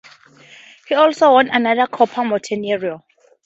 He also won another Coppa Montenero.